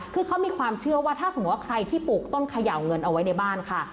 คือเขามีความเชื่อว่าถ้าสมมุติว่าใครที่ปลูกต้นเขย่าเงินเอาไว้ในบ้านค่ะ